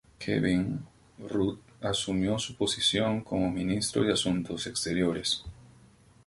Kevin Rudd asumió su posición como Ministro de Asuntos Exteriores.